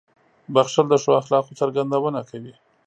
• بښل د ښو اخلاقو څرګندونه کوي.